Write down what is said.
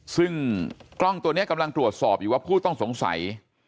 ซึ่งกล้องตัวนี้กำลังตรวจสอบอยู่ว่าผู้ต้องสงสัย